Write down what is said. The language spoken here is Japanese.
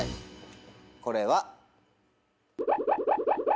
これは。